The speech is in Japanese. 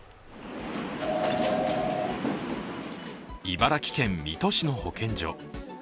茨城県水戸市の保健所。